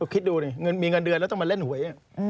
คิดดูดิมีเงินเดือนแล้วต้องมาเล่นหวย